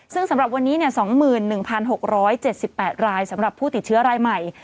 ซึ่งสำหรับวันนี้๒๑๖๗๘รายสำหรับผู้ติดเชื้อรายใหม่